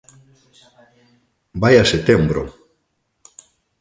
Vaia setembro!